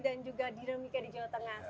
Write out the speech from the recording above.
dan juga dinamika di jawa tengah